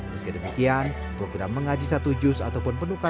meskipun demikian program mengaji satu jus ataupun penukaran